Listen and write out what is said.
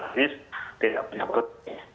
petani tidak punya perut